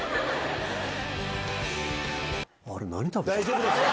大丈夫ですか？